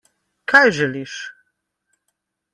Kaj želiš?